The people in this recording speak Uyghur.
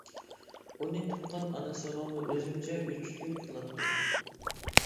ئۇنى تۇغقان ئانىسىغىمۇ ئۆزۈمچە ئۆچلۈك قىلاتتىم.